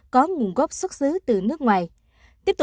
có nguyên liệu